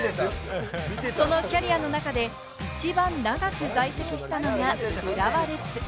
そのキャリアの中で一番長く在籍したのが浦和レッズ。